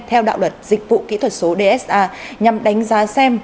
theo đạo luật dịch vụ kỹ thuật số dsa nhằm đánh giá xem